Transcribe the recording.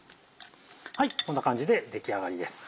こんな感じで出来上がりです。